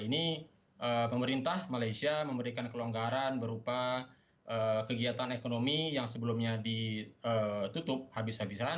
ini pemerintah malaysia memberikan kelonggaran berupa kegiatan ekonomi yang sebelumnya ditutup habis habisan